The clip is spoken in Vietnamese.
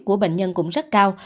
của bệnh nhân cũng rất cao